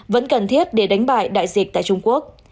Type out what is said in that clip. vẫn cần thiết để đánh bại đại dịch tại trung quốc